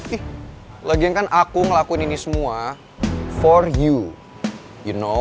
ih logian kan aku ngelakuin ini semua for you know